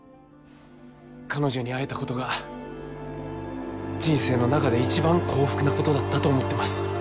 彼女に会えたことが人生の中で一番幸福なことだったと思ってます。